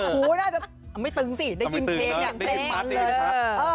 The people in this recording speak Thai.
หูน่าจะไม่ตึงสิได้ยินเพลงได้ยินมาตรีเลยครับ